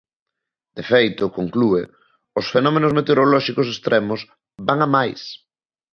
De feito, conclúe, os fenómenos meteorolóxicos extremos van a máis.